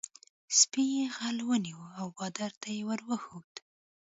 سپي غل ونیو او بادار ته یې ور وښود.